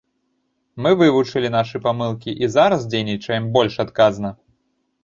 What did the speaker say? Мы вывучылі нашы памылкі і зараз дзейнічаем больш адказна.